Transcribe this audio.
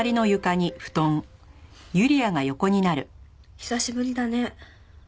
久しぶりだね。